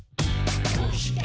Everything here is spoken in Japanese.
「どうして？